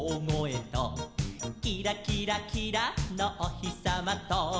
「キラキラキラのおひさまと」